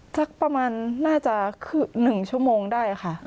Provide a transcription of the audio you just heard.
สักประมาณน่าจะคือ๑ชั่วโมงได้ค่ะ